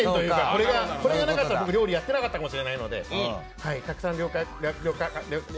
これがなかったら僕料理やってなかったかもしれないので。